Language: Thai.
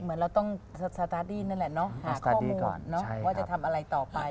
เหมือนเราต้องสตาร์ทดีนนั่นแหละเนาะหาข้อมูลเนอะว่าจะทำอะไรต่อไป